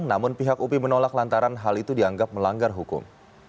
namun pihak upi menolak lantaran hal itu dianggap melanggar hukum